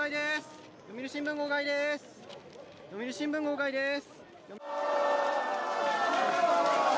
読売新聞、号外です。